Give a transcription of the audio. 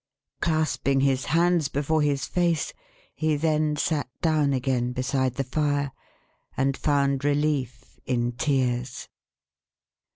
Clasping his hands before his face, he then sat down again beside the fire, and found relief in tears.